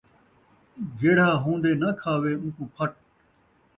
جیڑھا ہون٘دے ناں کھاوے اوکوں پھٹ